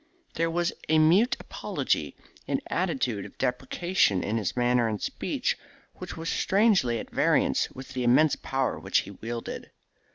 There was a mute apology, an attitude of deprecation in his manner and speech, which was strangely at variance with the immense power which he wielded.